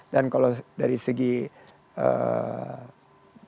dan kalau dari segi eee